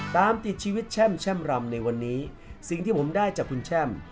ตามติดชีวิตแช่มแช่มรำในวันนี้สิ่งที่ผมได้จากคุณแช่ม